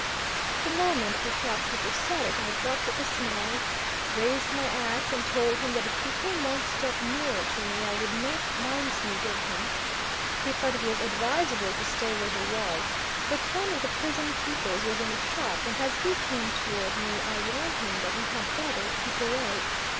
The moment the shop keeper said it I dropped the snath, raised my axe, and told him that if he came one step nearer to me I would make mincemeat of him. He thought it was advisable to stay where he was; but one of the prison keepers was in the shop, and as he came toward me I warned him that he had better keep away.